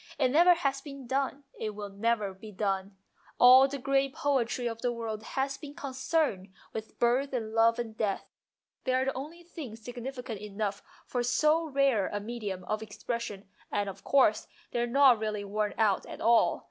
It never has been done, it never will be done. All the great poetry of the world has been concerned with birth and love and death. They are the only things significant enough for so rare a medium of expression, and, of course, they are not really worn out at all.